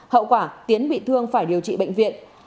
hậu quả tiến bị thương phải điều trị bệnh viện